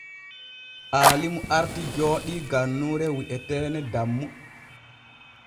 Aalimu arti jooɗii gannuure wi’eteene Dammu.